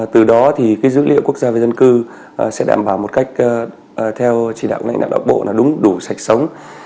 từ đó thì cái dữ liệu quốc gia về dân cư sẽ đảm bảo một cách theo chỉ đạo lãnh đạo bộ là đúng đủ sạch sống